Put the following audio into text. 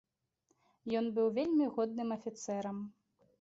Ён быў вельмі годным афіцэрам.